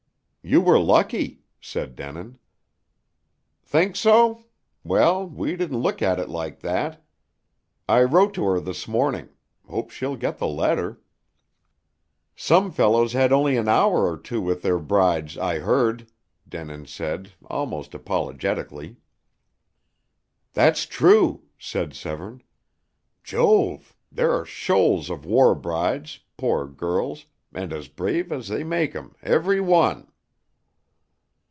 "You were lucky," said Denin. "Think so? Well, we didn't look at it like that. I wrote to her this morning. Hope she'll get the letter." "Some fellows had only an hour or two with their brides, I heard," Denin said, almost apologetically. "That's true," said Severne. "Jove! There are shoals of war brides, poor girls, and as brave as they make 'em, every one!"